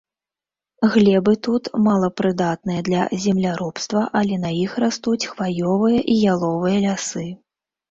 Глебы тут малапрыдатныя для земляробства, але на іх растуць хваёвыя і яловыя лясы.